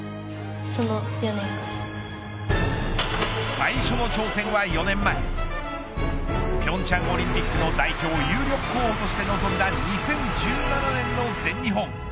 最初の挑戦は４年前平昌オリンピックの代表有力候補として臨んだ２０１７年の全日本。